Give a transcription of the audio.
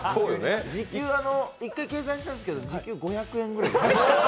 一回計算したんですけど、時給５００円ぐらい。